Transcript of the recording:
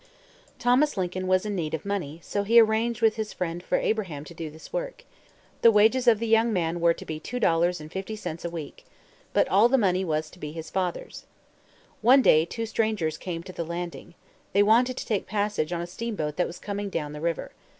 Thomas Lincoln was in need of money; and so he arranged with his friend for Abraham to do this work. The wages of the young man were to be $2.50 a week. But all the money was to be his father's. One day two strangers came to the landing. They wanted to take passage on a steamboat that was coming down the river.